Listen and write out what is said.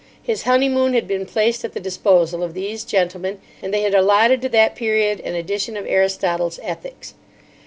His honeymoon had been placed at the disposal of these gentlemen, and they had allotted to that period an edition of Aristotle's Ethics.